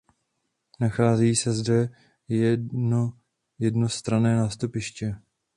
Nacházejí se zde jedno jednostranné nástupiště.